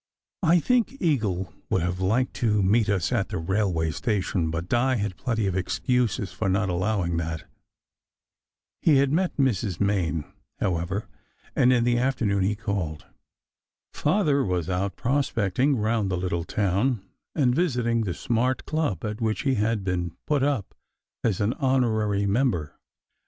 I think Eagle would have liked to meet us at the railway station, but Di had plenty of excuses for not allowing that. He had met Mrs. Main, however, and in the after noon he called. Father was out prospecting round the little town, and visiting the smart club at which he had been put up as an honorary member.